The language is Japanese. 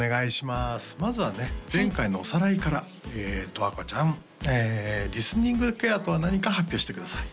まずはね前回のおさらいから十和子ちゃんリスニングケアとは何か発表してください